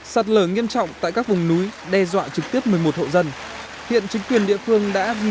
sạt lở nghiêm trọng tại các vùng núi đe dọa trực tiếp một mươi một hộ dân hiện chính quyền địa phương đã di